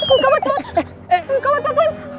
enggak waduh enggak waduh